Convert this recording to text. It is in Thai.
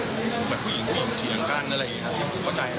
เหมือนผู้หญิงเพียงเทียงกันอะไรยังไงครับ